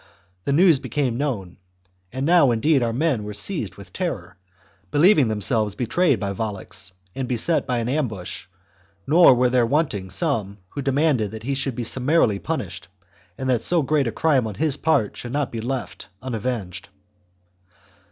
The news became known, and now indeed our men were seized with terror, believing themselves betrayed by Volux and beset by an ambush, nor were there wanting some who demanded that he should be summarily punished and that so great a crime on his part should not be CHAP, left unavene^ed.